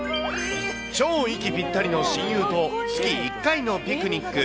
超息ぴったりの親友と月１回のピクニック。